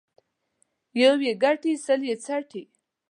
يو يې گټي ، سل يې څټي.